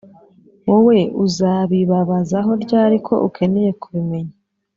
wowe uzabibazaho ryari ko ukeneye kubimenya